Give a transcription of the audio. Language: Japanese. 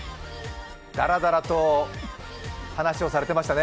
だらだらと話をされてましたね。